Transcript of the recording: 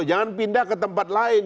jangan pindah ke tempat lain